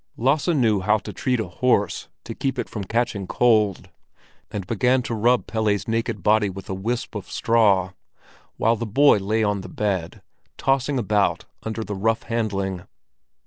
Lasse knew how to treat a horse to keep it from catching cold, and began to rub Pelle's naked body with a wisp of straw, while the boy lay on the bed, tossing about under the rough handling.